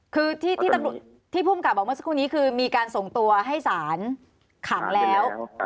คือที่ภูมิกับบอกเมื่อสักครู่นี้คือมีการส่งตัวให้สารขังแล้ว